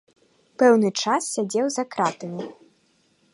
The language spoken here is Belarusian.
Пэўны час сядзеў за кратамі.